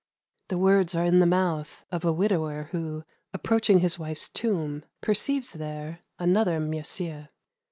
The words are in the mouth of a widower who, approaching his wife's tomb, perceives there another "monsieur."